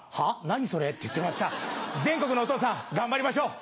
何それ」って言ってました全国のお父さん頑張りましょう。